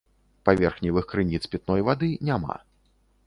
Паверхневых крыніц пітной вады няма.